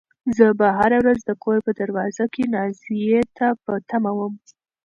زه به هره ورځ د کور په دروازه کې نازيې ته په تمه وم.